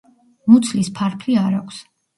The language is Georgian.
მუცლის ფარფლი არ აქვს.